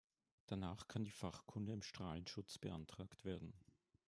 Danach kann die Fachkunde im Strahlenschutz beantragt werden.